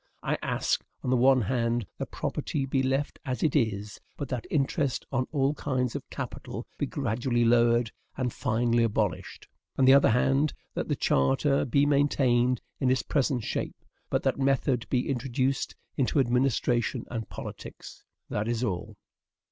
I ask, on the one hand, that property be left as it is, but that interest on all kinds of capital be gradually lowered and finally abolished; on the other hand, that the charter be maintained in its present shape, but that method be introduced into administration and politics. That is all.